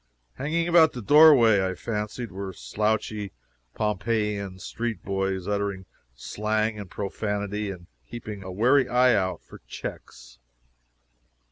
Hanging about the doorway (I fancied,) were slouchy Pompeiian street boys uttering slang and profanity, and keeping a wary eye out for checks.